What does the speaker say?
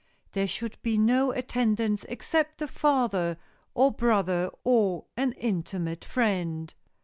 There should be no attendants except the father or brother or an intimate friend.